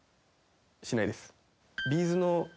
しないです。